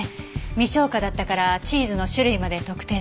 未消化だったからチーズの種類まで特定出来ました。